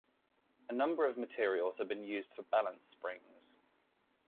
A number of materials have been used for balance springs.